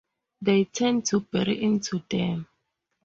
They tend to bury into them.